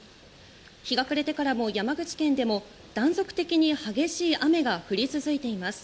日が暮れてからも山口県でも断続的に激しい雨が降り続いています。